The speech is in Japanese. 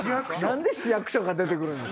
何で市役所が出て来るん？